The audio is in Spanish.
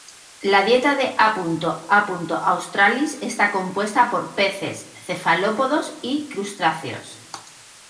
La dieta de "A. a. australis" está compuesta por peces, cefalópodos, y crustáceos.